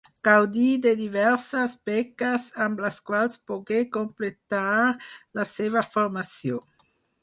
Gaudí de diverses beques amb les quals pogué completar la seva formació.